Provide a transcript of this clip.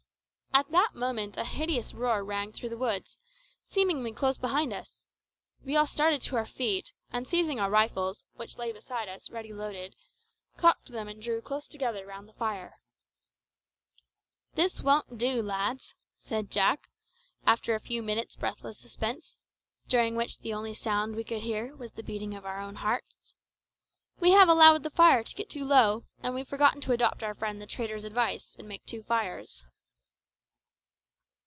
At that moment a hideous roar rang through the woods, seemingly close behind us. We all started to our feet, and seizing our rifles, which lay beside us ready loaded, cocked them and drew close together round the fire. "This won't do, lads," said Jack, after a few minutes' breathless suspense, during which the only sound we could hear was the beating of our own hearts; "we have allowed the fire to get too low, and we've forgotten to adopt our friend the trader's advice, and make two fires."